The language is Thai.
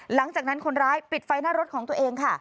หลังจากนั้นคนร้ายปิดไฟหน้ารถของตัวเองค่ะ